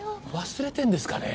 忘れてんですかね？